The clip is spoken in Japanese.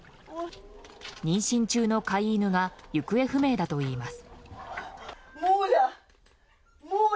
妊娠中の飼い犬が行方不明だといいます。